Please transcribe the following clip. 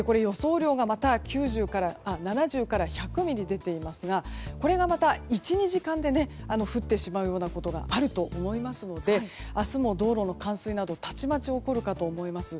雨量が７０から１００ミリ出ていますがこれが１２時間で降ってしまうことがあるので明日も道路の冠水などたちまち起こるかと思います。